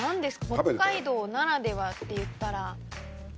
北海道ならではって言ったら。